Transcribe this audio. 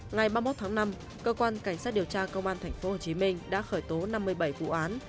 ngày ba mươi một tháng năm cơ quan cảnh sát điều tra công an tp hcm đã khởi tố năm mươi bảy vụ án